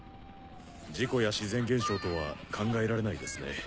事故や自然現象とは考えられないですね。